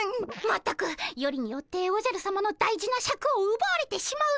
まったくよりによっておじゃるさまの大事なシャクをうばわれてしまうとは。